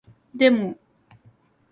でも